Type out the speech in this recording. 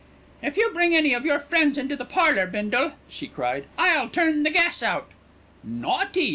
"If you bring any of your friends into the parlour, Bindle," she cried, "I'll turn the gas out." "Naughty!"